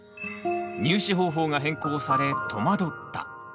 「入試方法が変更され戸惑った」。